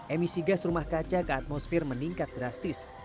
emisi gas rumah kaca ke atmosfer meningkat drastis